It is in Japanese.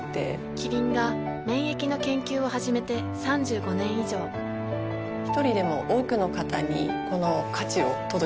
キリンが免疫の研究を始めて３５年以上一人でも多くの方にこの価値を届けていきたいと思っています。